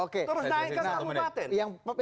terus naikkan ke kabupaten